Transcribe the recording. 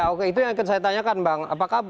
oke itu yang akan saya tanyakan bang